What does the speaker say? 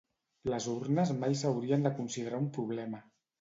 Les urnes mai s’haurien de considerar un problema.